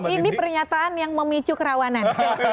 ini pernyataan yang memicu kerawanan